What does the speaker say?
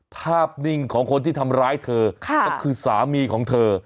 ภาพนิ่งของคนที่ทำร้ายเธอก็คือสามีของเธอ